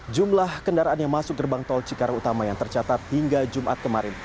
jumlah kendaraan yang masuk gerbang tol cikarang utama yang tercatat hingga jumat kemarin